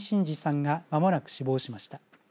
がまもなく死亡しました。